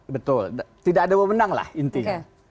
betul tidak ada pemenang lah intinya